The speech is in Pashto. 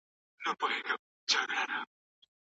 کتاب لوستل د ذهنيت سمون تضمينوي.